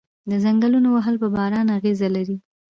د ځنګلونو وهل په باران اغیز لري؟